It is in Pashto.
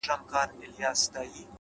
علم د انسان دننه ځواک راویښوي؛